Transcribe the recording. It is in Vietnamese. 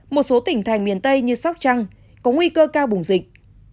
một số tỉnh thành miền tây như sóc trăng có nguy cơ cao bùng dịch